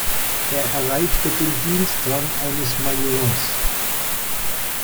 Er erreichte den Dienstrang eines Majors.